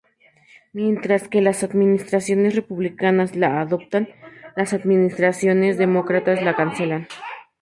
Mientras que las administraciones republicanas la adoptan, las administraciones demócratas la cancelan.